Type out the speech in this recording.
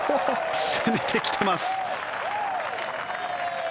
攻めてきてます。